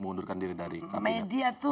mengundurkan diri dari kabinet media itu